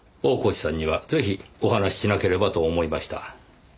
大河内さんにはぜひお話ししなければと思いました。